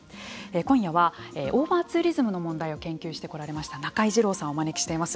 今夜はオーバーツーリズムの問題を研究してこられました中井治郎さんをお招きしています。